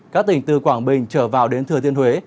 các tỉnh từ quảng bình trở vào đến thừa thiên huế